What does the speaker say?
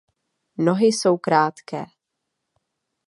Nohy jsou krátké.